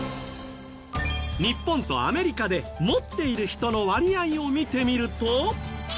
日本とアメリカで持っている人の割合を見てみると。